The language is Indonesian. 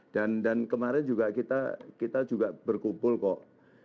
dan kemarin kita juga berkumpul kok